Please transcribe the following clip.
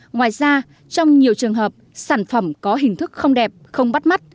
ngoài ra trong nhiều trường hợp sản phẩm có hình thức không đẹp không bắt mắt